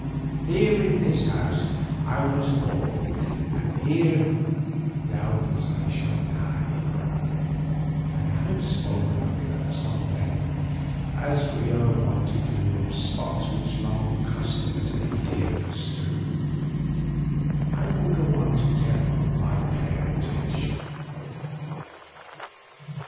Here in this house I was born, and here doubtless I shall die, and having spoken of it at some length, as we are wont to do of spots which long custom has endeared to us, I will go on to tell of my parentage.